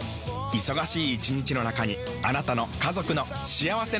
忙しい一日の中にあなたの家族の幸せな時間をつくります。